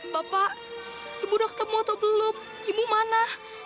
bapak ibu udah ketemu atau belum ibu mana